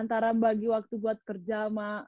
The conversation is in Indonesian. antara bagi waktu buat kerja mak